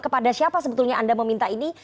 kepada siapa sebetulnya anda meminta ini